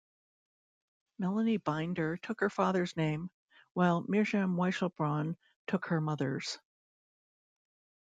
Melanie Binder took her father's name, while Mirjam Weichselbraun took her mother's.